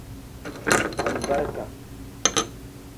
Alibarika.